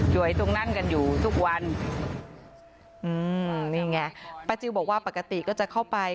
อยู่ตรงนั้นกันอยู่ทุกวันอืมนี่ไงป้าจิลบอกว่าปกติก็จะเข้าไป